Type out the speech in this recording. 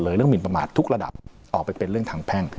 เรื่องหมินประมาททุกระดับออกไปเป็นเรื่องทางแพ่ง